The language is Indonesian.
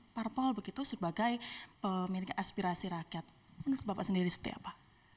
parpol begitu sebagai pemilik aspirasi rakyat menurut bapak sendiri seperti apa